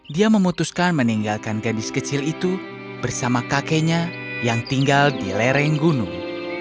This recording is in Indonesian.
dia memutuskan meninggalkan gadis kecil itu bersama kakeknya yang tinggal di lereng gunung